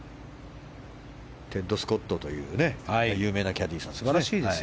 テッド・スコットという有名なキャディーさんです。